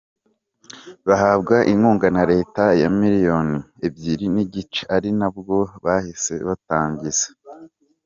bahabwa inkunga na leta ya miliyoni ebyiri n'igice ari nabwo bahise batangiza.